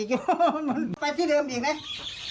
อ้าวมันไปที่เดิมอีกน่ะ